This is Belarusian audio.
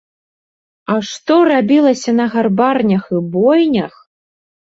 А што рабілася на гарбарнях і бойнях!